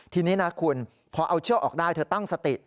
ทีนี้นะคุณพอเอาเชือกออกได้เธอตั้งสติ